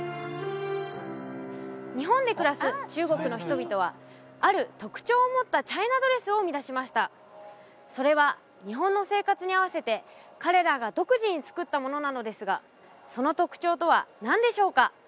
日本で暮らす中国の人々はある特徴を持ったチャイナドレスを生み出しましたそれは日本の生活に合わせて彼らが独自に作ったものなのですがその特徴とは何でしょうか？